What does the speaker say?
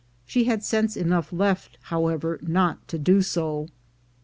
She had sense enough left, however, not to do so.